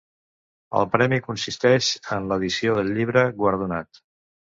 El premi consisteix en l'edició del llibre guardonat.